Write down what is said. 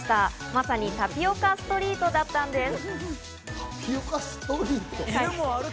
まさにタピオカストリートだったんです。